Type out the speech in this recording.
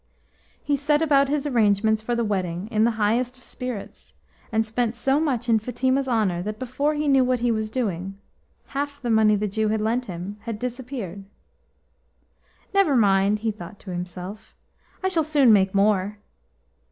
He set about his arrangements for the wedding in the highest of spirits, and spent so much in Fatima's honour that before he knew what he was doing half the money the Jew had lent him had disappeared. "Never mind," he thought to himself. "I shall soon make more."